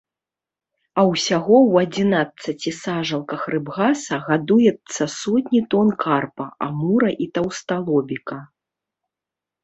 А ўсяго ў адзінаццаці сажалках рыбгаса гадуецца сотні тон карпа, амура і таўсталобіка.